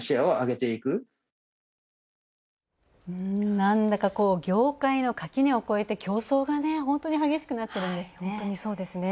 なんだか業界の垣根を越えて競争が本当に激しくなってるんですね